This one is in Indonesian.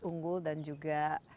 unggul dan juga